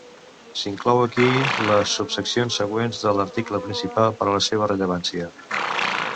S'inclou aquí les subseccions següents de l'article principal per la seva rellevància.